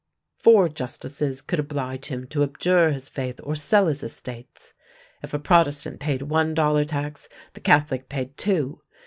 Four justices could oblige him to abjure his faith or sell his estates. If a Protestant paid one dollar tax, the Catholic paid two.